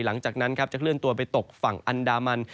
หลังจากนั้นครับจะเคลื่อนตัวไปตกฝั่งอันดามัน